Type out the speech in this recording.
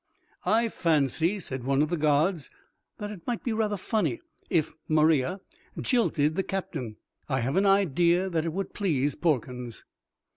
"I fancy," said one of the gods, "that it might be rather funny if Maria jilted the Captain. I have an idea that it would please Porkins."